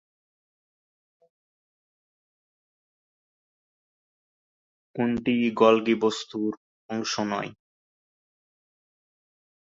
বিখ্যাত সমাজ সংস্কারক দ্বারকানাথ গঙ্গোপাধ্যায় ছিলেন তার মাতামহ।